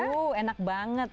oh iya enak banget